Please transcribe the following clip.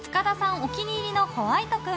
お気に入りのホワイト君。